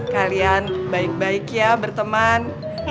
kalian baik baik ya berteman